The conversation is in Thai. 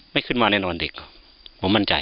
ไม่ขึ้นมาแน่นอนเด็กผมมั่นใจ